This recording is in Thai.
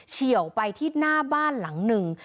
เฉียวไปที่หน้าบ้านหลังหนึ่ง